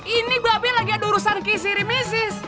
ini baje lagi ada urusan kisrit misis